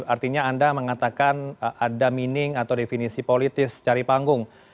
artinya anda mengatakan ada meaning atau definisi politis cari panggung